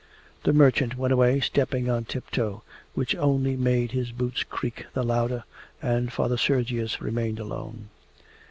The merchant went away, stepping on tiptoe, which only made his boots creak the louder, and Father Sergius remained alone.